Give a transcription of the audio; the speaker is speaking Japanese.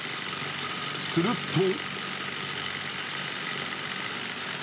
［すると］